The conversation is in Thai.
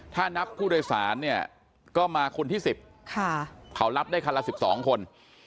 ถ้านับผู้โดยสารเนี่ยก็มาคนที่๑๐เขารับได้คันละ๑๒คน